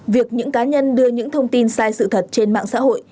việc những cá nhân đưa những thông tin sai sự thật trên mạng xã hội